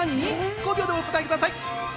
５秒でお答えください。